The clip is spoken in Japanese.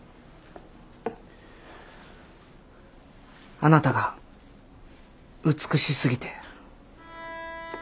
あなたが美しすぎて。